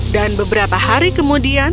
dan beberapa hari kemudian